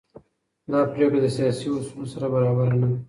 دا پريکړه د سياسي اصولو سره برابره نه ده.